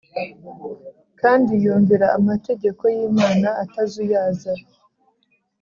kandi yumvira amategeko y’imana atazuyaza.